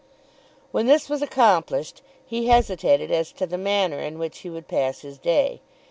When this was accomplished he hesitated as to the manner in which he would pass his day.